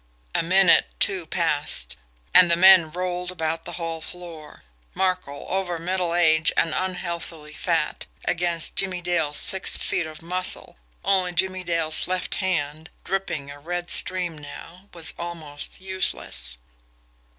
A minute, two passed and the men rolled about the hall floor. Markel, over middle age and unheathily fat, against Jimmie Dale's six feet of muscle only Jimmie Dale's left hand, dripping a red stream now, was almost useless.